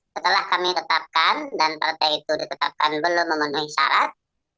setelah kami tetapkan dan partai itu ditetapkan belum memenuhi syarat